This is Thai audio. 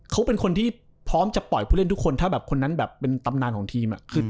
เขาเป็นคนที่พร้อมจะปล่อยผู้เล่นทุกคนถ้าแบบคนนั้นแบบเป็นตำนานของทีม